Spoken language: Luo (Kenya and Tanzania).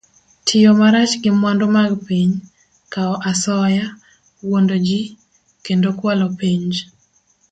Tiyo marach gi mwandu mag piny, kawo asoya, wuondo ji, kendo kwalo penj